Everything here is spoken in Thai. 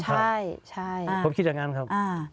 ใช่ผมคิดอย่างนั้นครับ